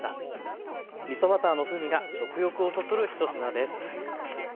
みそバターの風味が食欲をそそる１品です。